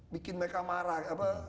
bikin mereka marah